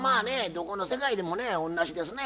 どこの世界でもね同じですね。